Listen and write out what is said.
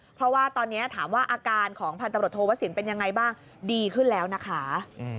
เพราะว่าตอนนี้ถามว่าอาการของพันตำรวจโทวสินเป็นยังไงบ้างดีขึ้นแล้วนะคะ